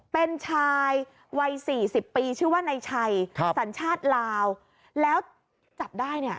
เป็นชายวัยสี่สิบปีชื่อว่านายชัยสัญชาติลาวแล้วจับได้เนี่ย